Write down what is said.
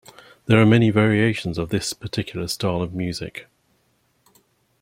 There are many variations of this particular style of music.